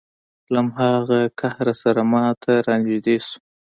له هماغه قهره سره ما ته را نږدې شو.